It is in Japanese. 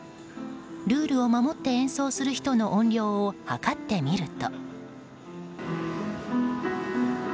ルールを守って演奏する人の音量を測ってみると。